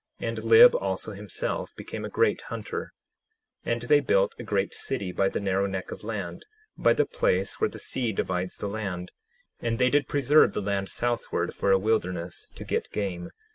And Lib also himself became a great hunter. 10:20 And they built a great city by the narrow neck of land, by the place where the sea divides the land. 10:21 And they did preserve the land southward for a wilderness, to get game.